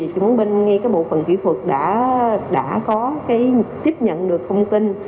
chúng mình ngay bộ phần kỹ thuật đã có tiếp nhận được thông tin